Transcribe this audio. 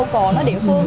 về những cái tuyến đường